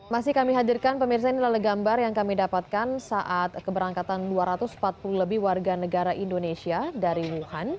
masih kami hadirkan pemirsa ini adalah gambar yang kami dapatkan saat keberangkatan dua ratus empat puluh lebih warga negara indonesia dari wuhan